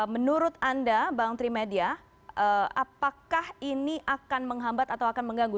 menurut anda bang trimedia apakah ini akan menghambat atau akan mengganggu